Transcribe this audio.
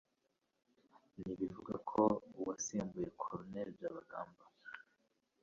ntirivuga uwasimbuye Col. Byabagamba